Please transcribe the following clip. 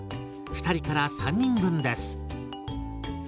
２人から３人分です。